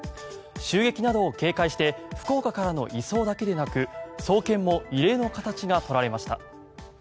襲撃などを警戒して福岡からの移送だけではなく送検も異例の形が取られました。